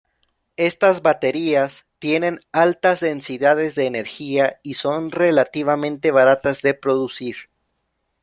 Estas baterías tienen altas densidades de energía y son relativamente baratas de producir.